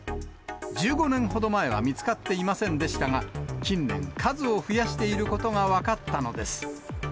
１５年ほど前は見つかっていませんでしたが、近年、数を増やしていることが分かったのです。